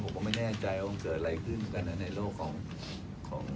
ผมก็ไม่แน่ใจว่ามันเกิดอะไรขึ้นกันนะในโลกของ